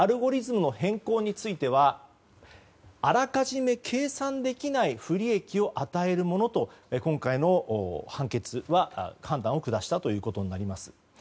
その変更についてはあらかじめ計算できない不利益を与えるものと、今回の判決は判断を下したということになります。